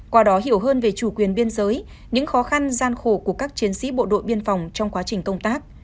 qua đó hiểu hơn về chủ quyền biên giới những khó khăn gian khổ của các chiến sĩ bộ đội biên phòng trong quá trình công tác